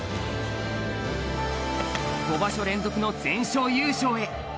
５場所連続の全勝優勝へ。